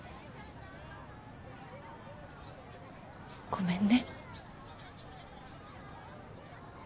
ごめんね。